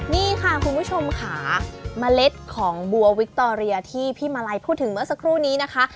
นี่ค่ะคุณผู้ชมค่ะเมล็ดของบัววิคตอเรียที่พี่มาลัยพูดถึงเมื่อสักครู่นี้นะคะ